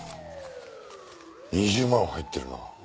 ２０万は入ってるな。